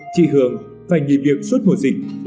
chị hường phải nghỉ việc suốt mùa dịch